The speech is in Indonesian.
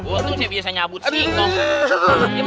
waduh saya biasa nyabut sih